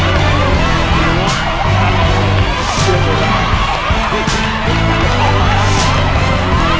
ระวังมือด้วยนะครับป้า